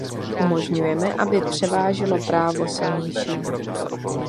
Umožňujeme, aby převážilo právo silnějšího.